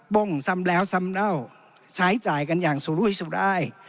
้งซ้ำแล้วซ้ำเน่าใช้จ่ายกันอย่างสุรุยสุราย